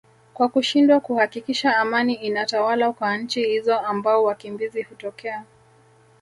kwa kushindwa kuhakikisha amani inatawala kwa nchi hizo ambao wakimbizi hutokea